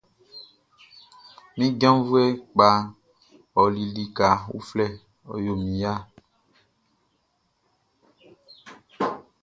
Mi janvuɛ kpaʼn ɔli lika uflɛ, ɔ yo min ya.